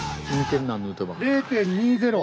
０．２０！